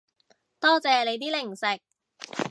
多謝你啲零食